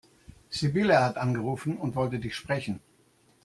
Sibylle hat angerufen und wollte dich sprechen.